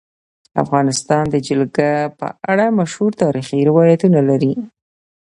افغانستان د جلګه په اړه مشهور تاریخی روایتونه لري.